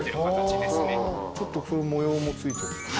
ちょっと模様も付いて。